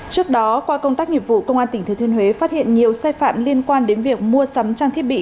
trước đó qua công tác nghiệp vụ công an tỉnh thừa thiên huế phát hiện nhiều sai phạm liên quan đến việc mua sắm trang thiết bị